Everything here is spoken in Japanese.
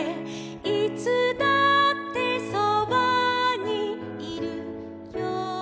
「いつだってそばにいるよ」